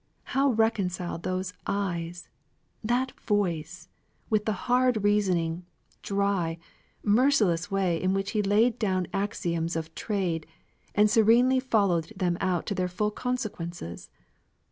How reconcile those eyes, that voice, with the hard, reasoning, dry, merciless way in which he laid down axioms of trade, and serenely followed them out to their full consequences?